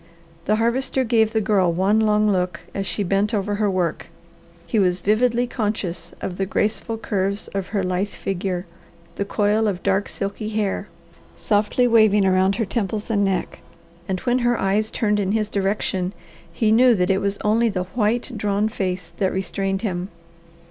The Harvester gave the Girl one long look as she bent over her work. He was vividly conscious of the graceful curves of her little figure, the coil of dark, silky hair, softly waving around her temples and neck, and when her eyes turned in his direction he knew that it was only the white, drawn face that restrained him.